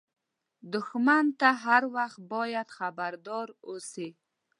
دښمن ته هر وخت باید خبردار اوسې